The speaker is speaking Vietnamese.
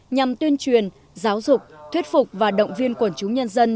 nhằm tuyên truyền giáo dục thuyết phục và động viên quần chúng nhân dân